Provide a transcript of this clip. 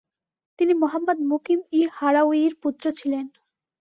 তিনি মুহাম্মদ মুকিম ই হারাওয়ির পুত্র ছিলেন।